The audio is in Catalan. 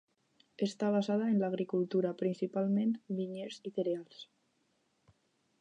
Està basada en l'agricultura, principalment vinyers i cereals.